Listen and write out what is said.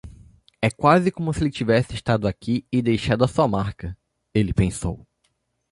É quase como se ele tivesse estado aqui e deixado sua marca? ele pensou.